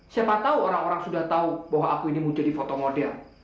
siapa tahu orang orang sudah tahu bahwa aku ini mau jadi foto model